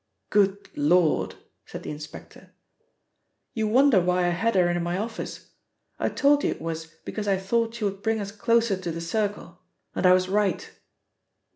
"Good Lord!" said the inspector. "You wonder why I had her in my office? I told you it was because I thought she would bring us closer to the Circle. And I was right."